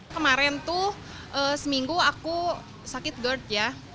kemarin tuh seminggu aku sakit gerd ya